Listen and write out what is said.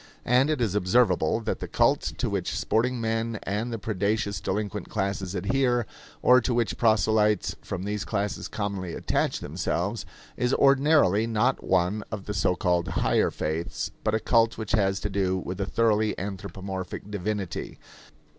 And it is observable that the cult to which sporting men and the predaceous delinquent classes adhere, or to which proselytes from these classes commonly attach themselves, is ordinarily not one of the so called higher faiths, but a cult which has to do with a thoroughly anthropomorphic divinity.